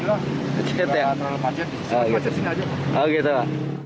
oke terima kasih